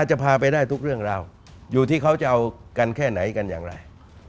จะพาไปได้ทุกเรื่องราวอยู่ที่เขาจะเอากันแค่ไหนกันอย่างไร